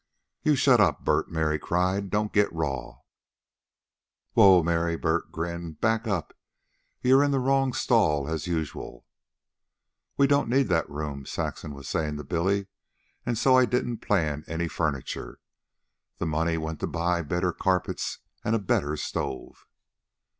"You shut up, Bert!" Mary cried. "Don't get raw." "Whoa, Mary!" Bert grinned. "Back up. You're in the wrong stall as usual." "We don't need that room," Saxon was saying to Billy. "And so I didn't plan any furniture. That money went to buy better carpets and a better stove."